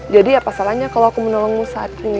jadi apa salahnya kalau aku menolongmu saat ini